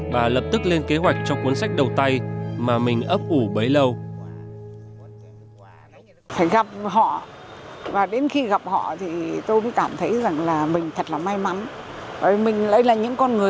và lập tức lên kế hoạch cho cuốn sách đầu tay mà mình ấp ủ bấy lâu